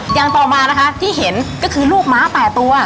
อย่างต่อมานะคะที่เห็นก็คือลูกม้า๘ตัว